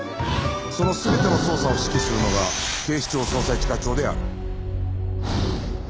その全ての捜査を指揮するのが警視庁捜査一課長である